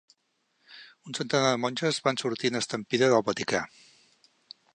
Un centenar de monges van sortir en estampida del Vaticà.